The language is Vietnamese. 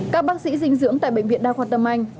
các bác sĩ dinh dưỡng tại bệnh viện đa khoa tâm anh